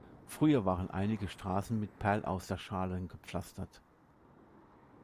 Früher waren einige Straßen mit Perlauster-Schalen gepflastert.